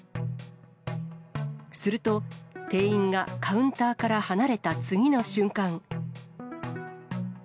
すると、店員がカウンターから離れた次の瞬間。